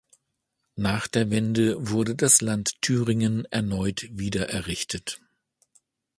Nach der Wende wurde das Land Thüringen erneut wiedererrichtet.